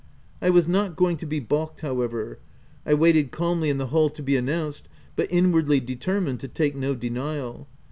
I was not going to be balked however. I waited calmly in the hall to be announced, but inwardly determined to take no denial.